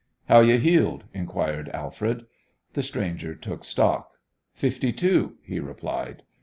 "How you heeled?" inquired Alfred. The stranger took stock. "Fifty two," he replied.